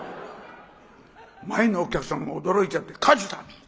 前のお客さんが驚いちゃって「火事だ！